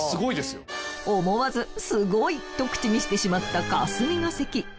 思わず「スゴイ」と口にしてしまった霞が関。